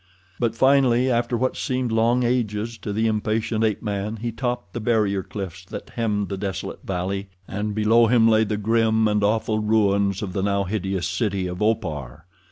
But, finally, after what seemed long ages to the impatient ape man, he topped the barrier cliffs that hemmed the desolate valley, and below him lay the grim and awful ruins of the now hideous city of Opar.